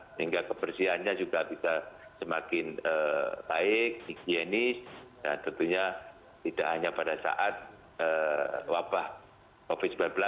sehingga kebersihannya juga bisa semakin baik higienis dan tentunya tidak hanya pada saat wabah covid sembilan belas